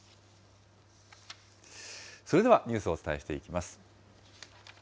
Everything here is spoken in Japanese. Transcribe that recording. それではニュースをお伝えしていきます。